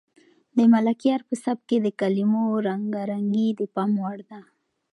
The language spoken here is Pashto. د ملکیار په سبک کې د کلمو رنګارنګي د پام وړ ده.